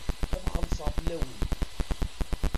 Ad xellṣeɣ fell-awent.